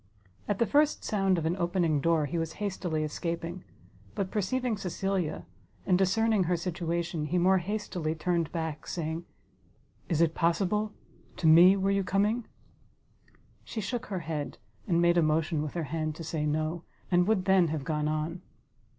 At the first sound of an opening door, he was hastily escaping; but perceiving Cecilia, and discerning her situation, he more hastily turned back, saying, "Is it possible? To me were you coming?" She shook her head, and made a motion with her hand to say no, and would then have gone on.